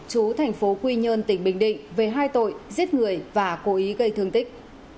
chú thành phố quy nhơn tỉnh bình định về hai tội giết người và cố ý gây thương tích